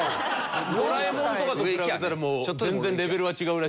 『ドラえもん』とかと比べたらもう全然レベルは違うらしいんですけど。